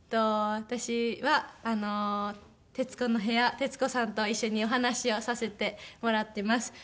私は『徹子の部屋』徹子さんと一緒にお話をさせてもらってます。